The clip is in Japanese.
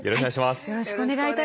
よろしくお願いします。